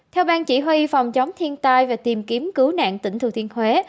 theo ban chỉ huy phòng chống thiên tai và tìm kiếm cứu nạn tỉnh thừa thiên huế